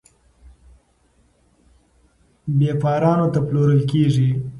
بېپارانو ته پلورل کیږي.